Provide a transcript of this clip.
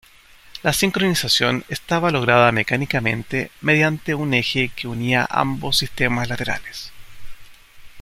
La sincronización estaba lograda mecánicamente mediante un eje que unía ambos sistemas laterales.